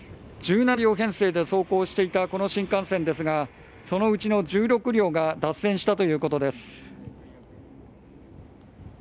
１７両編成で走行していたこの新幹線ですがそのうちの１６両が脱線したということです。